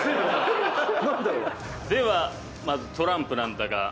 ではまずトランプなんだが。